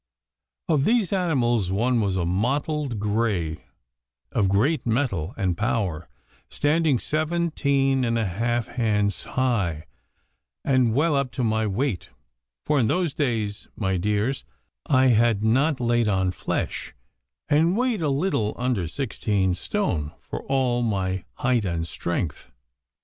Of these animals one was a mottled grey, of great mettle and power, standing seventeen and a half hands high, and well up to my weight, for in those days, my dears, I had not laid on flesh, and weighed a little under sixteen stone for all my height and strength.